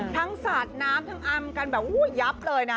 สาดน้ำทั้งอำกันแบบยับเลยนะ